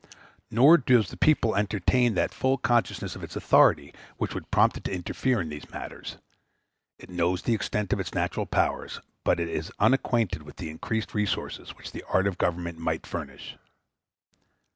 Nor does the people entertain that full consciousness of its authority which would prompt it to interfere in these matters; it knows the extent of its natural powers, but it is unacquainted with the increased resources which the art of government might furnish.